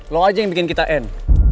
lo aja yang bikin kita end